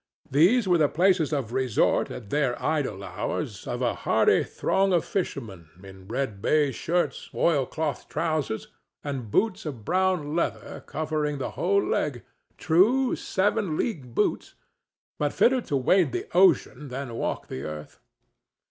These were the places of resort at their idle hours of a hardy throng of fishermen in red baize shirts, oilcloth trousers and boots of brown leather covering the whole leg—true seven league boots, but fitter to wade the ocean than walk the earth.